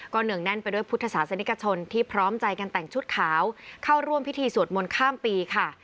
เนื่องแน่นไปด้วยพุทธศาสนิกชนที่พร้อมใจกันแต่งชุดขาวเข้าร่วมพิธีสวดมนต์ข้ามปีค่ะ